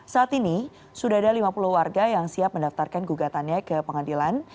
saat ini sudah ada lima puluh warga yang siap mendaftarkan gugatannya ke pengadilan